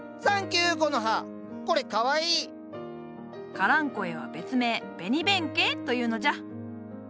カランコエは別名「ベニベンケイ」というのじゃ。